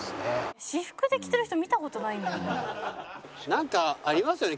なんかありますよね？